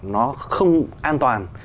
nó không an toàn